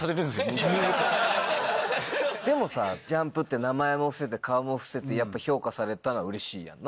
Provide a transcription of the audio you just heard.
でもさＪＵＭＰって名前も伏せて顔も伏せてやっぱ評価されたらうれしいやんな。